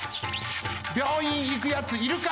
病院いくやついるか？